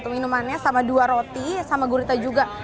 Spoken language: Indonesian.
minumannya sama dua roti sama gurita juga